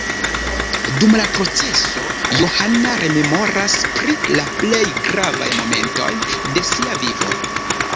Dum la proceso, Johana rememoras pri la plej gravaj momentoj de sia vivo.